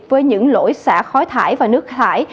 với những lỗi xả khói thải và nước thải